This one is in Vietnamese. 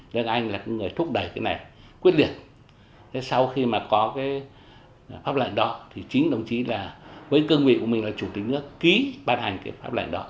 lê đức anh đồng chí lê đức anh